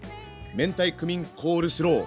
明太クミンコールスロー。